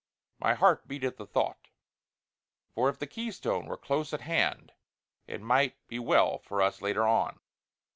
My heart beat at the thought; for if the Keystone were close at hand it might be well for us later on.